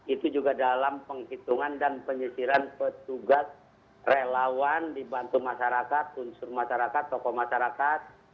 itu juga dalam penghitungan dan penyisiran petugas relawan dibantu masyarakat unsur masyarakat tokoh masyarakat